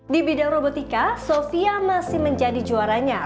di bidang robotika sofia masih menjadi juaranya